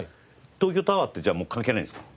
東京タワーってじゃあもう関係ないんですか？